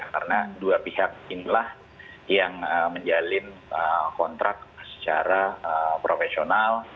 karena dua pihak inilah yang menjalin kontrak secara profesional